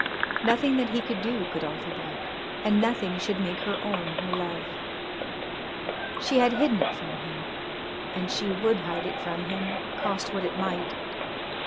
Nothing that he could do could alter that, and nothing should make her own her love. She had hidden it from him, and she would hide it from him cost what it might.